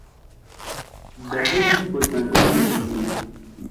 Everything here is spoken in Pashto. د هند په ځنګلونو کې دي